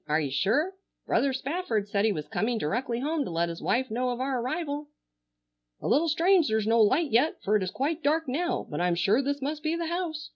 "Are you sure? Brother Spafford said he was coming directly home to let his wife know of our arrival." "A little strange there's no light yet, for it is quite dark now, but I'm sure this must be the house.